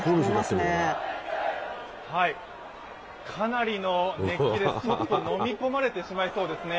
かなりの熱気です、ちょっとのみ込まれてしまいそうですね。